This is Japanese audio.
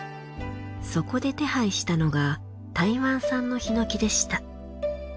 そこで手配したのが台湾産の檜でした。